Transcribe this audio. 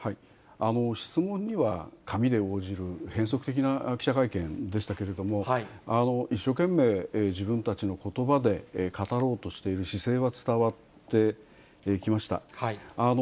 質問には紙で応じる変則的な記者会見でしたけれども、一生懸命、自分たちのことばで語ろうとしている姿勢は伝わってきました。